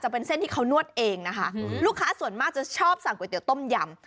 เป็นเส้นที่เขานวดเองนะคะลูกค้าส่วนมากจะชอบสั่งก๋วยเตี๋ต้มยำ